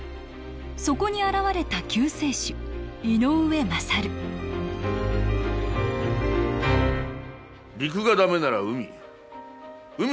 そこに現れた救世主井上勝陸が駄目なら海。